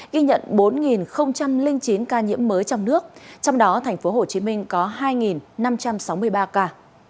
ghi nhận bốn chín ca nhiễm mới trong nước trong đó tp hcm có hai năm trăm sáu mươi ba ca